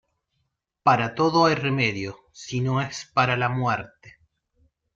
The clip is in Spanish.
Para todo hay remedio, si no es para la muerte.